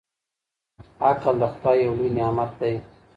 عقل د خدای يو لوی نعمت دی.